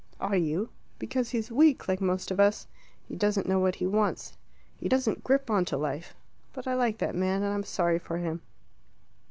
"Are you?" "Because he's weak like most of us. He doesn't know what he wants. He doesn't grip on to life. But I like that man, and I'm sorry for him."